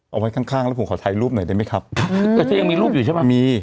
เอาไว้ข้างข้างแล้วผมขอถ่ายรูปหน่อยได้ไหมครับแต่เธอยังมีรูปอยู่ใช่ป่ะมี